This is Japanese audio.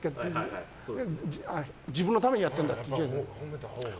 自分のためにやってるんだからって。